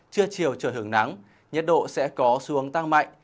trưa chiều trời hưởng nắng nhiệt độ sẽ có xuống tăng mạnh